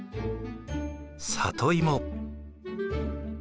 サトイモ。